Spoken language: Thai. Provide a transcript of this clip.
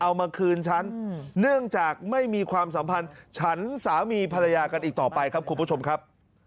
เอามาคืนฉันเนื่องจากไม่มีความสัมพันธ์ฉันสามีภรรยากันอีกต่อไปครับคุณผู้ชมครับ